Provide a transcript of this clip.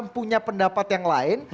sarief hasan punya pendapat yang lain